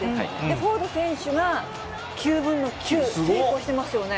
フォード選手が９分の９成功してますよね。